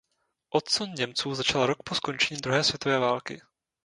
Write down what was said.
Odsun Němců začal rok po skončení druhé světové války.